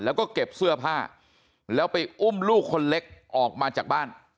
แล้วก็เก็บเสื้อผ้าแล้วไปอุ้มลูกคนเล็กออกมาจากบ้าน